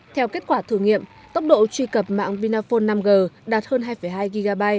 theo kết quả thử nghiệm tốc độ truy cập mạng vinaphone năm g đạt hơn hai hai gb